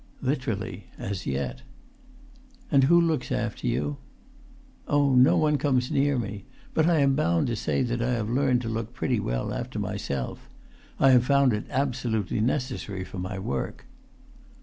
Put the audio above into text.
"Literally—as yet." "And who looks after you?" "Oh, no one comes near me; but I am bound to say that I have learnt to look pretty well after myself. I have found it absolutely necessary for my work."